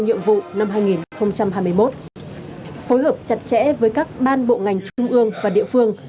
nhiệm vụ năm hai nghìn hai mươi một phối hợp chặt chẽ với các ban bộ ngành trung ương